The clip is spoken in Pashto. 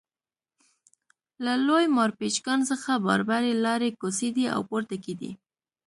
له لوی مارپیچ کان څخه باربري لارۍ کوزېدې او پورته کېدې